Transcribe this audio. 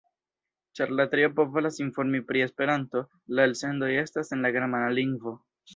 Ĉar la triopo volas informi pri Esperanto, la elsendoj estas en la germana lingvo.